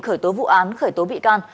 khởi tố vụ án khởi tố bị can